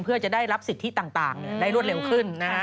เพื่อจะได้รับสิทธิต่างได้รวดเร็วขึ้น